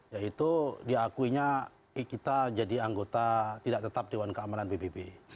yaitu diakuinya kita jadi anggota tidak tetap dewan keamanan pbb